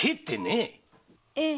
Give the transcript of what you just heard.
ええ。